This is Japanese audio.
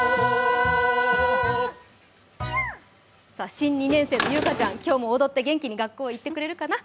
新２年生のゆうかちゃん、今日も踊って、学校に行ってくれるかな？